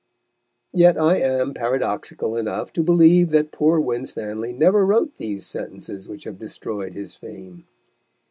Yet I am paradoxical enough to believe that poor Winstanley never wrote these sentences which have destroyed his fame.